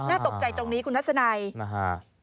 น่าตกใจตรงนี้คุณทัศนัยนะฮะ